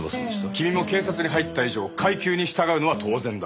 君も警察に入った以上階級に従うのは当然だ。